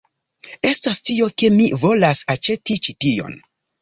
estas tio, ke mi volas aĉeti ĉi tion.